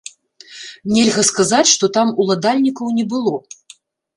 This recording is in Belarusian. Нельга сказаць, што там уладальнікаў не было.